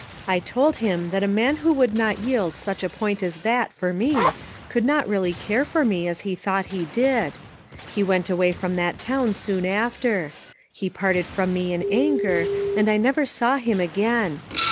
I told him that a man who would not yield such a point as that for me, could not really care for me as he thought he did. He went away from that town soon after. He parted from me in anger, and I never saw him again.